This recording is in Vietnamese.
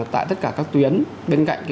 tại tất cả các tuyến bên cạnh